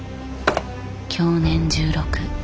享年１６。